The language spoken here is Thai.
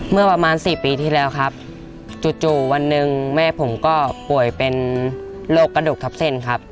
เมื่อประมาณ๔ปีที่แล้วครับจู่วันหนึ่งแม่ผมก็ป่วยเป็นโรคกระดูกทับเส้นครับ